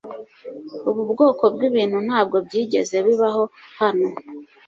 Ubu bwoko bwibintu ntabwo byigeze bibaho hano.